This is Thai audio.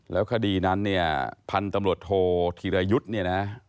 แล้วคดีนั้นเนี่ยพันธุ์ตำรวจโทษธิรยุทธ์เนี่ยนะ